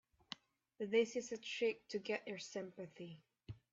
This is a trick to get your sympathy.